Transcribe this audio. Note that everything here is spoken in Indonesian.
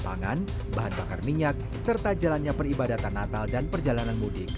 pangan bahan bakar minyak serta jalannya peribadatan natal dan perjalanan mudik